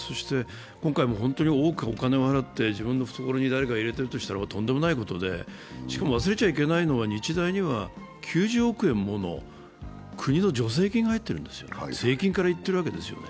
今回も本当に多くお金を払って、自分の懐に誰か入れているとしたらとんでもないことで、しかも忘れちゃいけないのは日大には９０億円もの国の助成金が入っているんですよ、税金からいっているわけですよね。